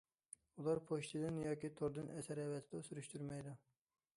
ئۇلار پوچتىدىن ياكى توردىن ئەسەر ئەۋەتىدۇ، سۈرۈشتۈرمەيدۇ.